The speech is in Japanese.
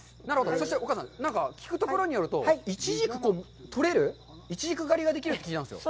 そしてお母さん、聞くところによると、いちじく、取れる、いちじく狩りができるって聞いたんですよ。